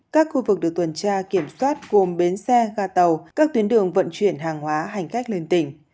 các khu vực được tuần tra kiểm soát gồm bến xe ga tàu các tuyến đường vận chuyển hàng hóa hành khách lên tỉnh